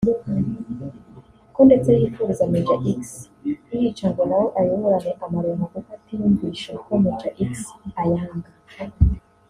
ko ndetse yifuriza Major X kuyica ngo na we ayabone (amaronko) kuko atiyumvisha ko Major X ayanga